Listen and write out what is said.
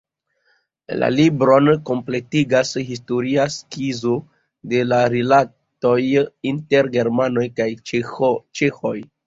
La libron kompletigas historia skizo de la rilatoj inter germanoj kaj ĉeĥoj.